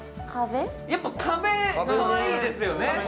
やっぱ壁かわいいですよね。